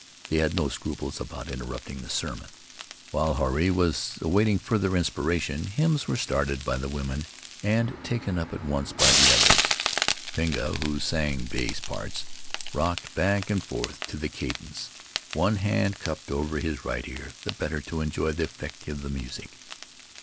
They had no scruples about interrupting the sermon. While Huirai was awaiting further inspiration hymns were started by the women and taken up at once by the others. Pinga, who sang bass parts, rocked back and forth to the cadence, one hand cupped over his right ear, the better to enjoy the effect of the music.